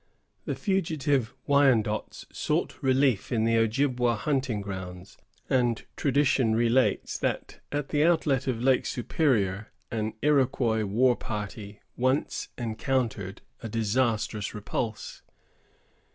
The fugitive Wyandots sought refuge in the Ojibwa hunting grounds; and tradition relates that, at the outlet of Lake Superior, an Iroquois war party once encountered a disastrous repulse.